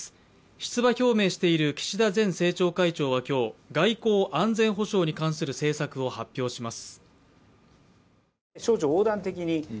出馬表明している岸田前政調会長は今日外交・安全保障に関する政策を発表します。